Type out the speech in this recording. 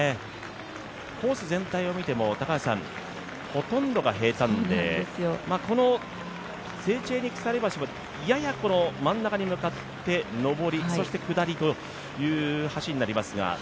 コース全体を見てもほとんどが平たんでこのセーチェーニ鎖橋もやや真ん中に向かって上り、そして下りという橋になりますが。